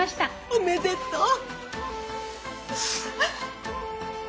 おめでとう。